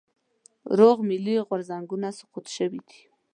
روغ ملي غورځنګونه سقوط شوي دي.